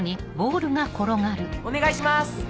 お願いします！